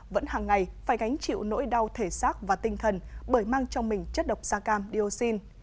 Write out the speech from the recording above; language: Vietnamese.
vẫn hàng ngày phải gánh chịu nỗi đau thể xác và tinh thần bởi mang trong mình chất độc da cam dioxin